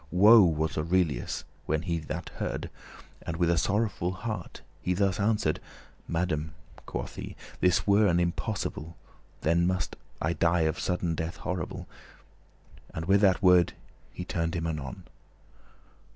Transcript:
Woe was Aurelius when that he this heard, And with a sorrowful heart he thus answer'd. "Madame, quoth he, "this were an impossible. Then must I die of sudden death horrible." And with that word he turned him anon.